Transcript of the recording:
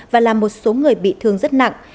và là một số người bị thương rất nặng